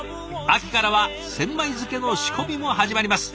秋からは千枚漬の仕込みも始まります。